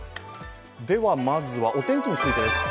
まずはお天気についてです。